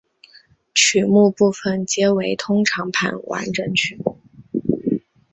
曲目部分皆为通常盘完整曲目。